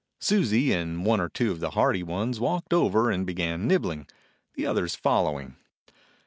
Susie and one or two of the hardy ones walked over and began nibbling, the others following.